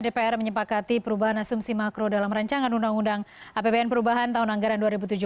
dpr menyepakati perubahan asumsi makro dalam rancangan undang undang apbn perubahan tahun anggaran dua ribu tujuh belas